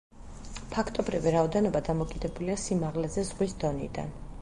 ფაქტობრივი რაოდენობა დამოკიდებულია სიმაღლეზე ზღვის დონიდან.